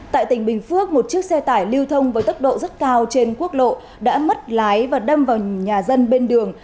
tại tỉnh bình phước một chiếc xe tải lưu thông với tốc độ rất cao trên quốc lộ đã mất lái và đâm vào nhà dân bên đường